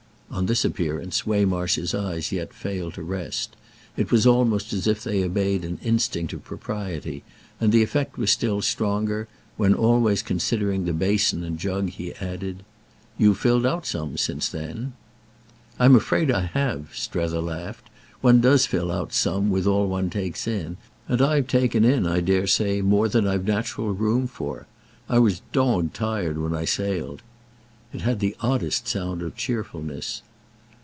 On this appearance Waymarsh's eyes yet failed to rest; it was almost as if they obeyed an instinct of propriety, and the effect was still stronger when, always considering the basin and jug, he added: "You've filled out some since then." "I'm afraid I have," Strether laughed: "one does fill out some with all one takes in, and I've taken in, I dare say, more than I've natural room for. I was dog tired when I sailed." It had the oddest sound of cheerfulness.